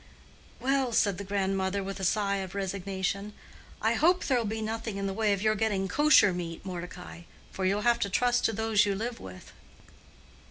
"Well," said the grandmother, with a sigh of resignation, "I hope there'll be nothing in the way of your getting kosher meat, Mordecai. For you'll have to trust to those you live with."